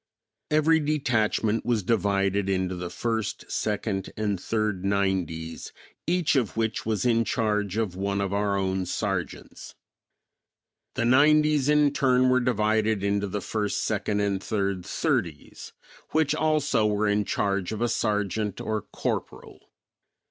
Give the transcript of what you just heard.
Every detachment was divided into the first, second and third nineties, each of which was in charge of one of our own sergeants. The nineties, in turn, were divided into the first, second and third thirties, which also were in charge of a sergeant or corporal.